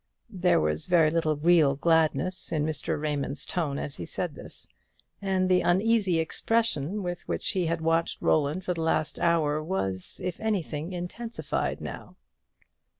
There was very little real gladness in Mr. Raymond's tone as he said this; and the uneasy expression with which he had watched Roland for the last hour was, if anything, intensified now.